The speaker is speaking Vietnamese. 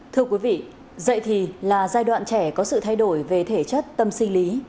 thưa quý vị dạy thì là giai đoạn trẻ có sự thay đổi về thể chất tâm sinh lý